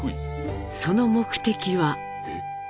その目的は。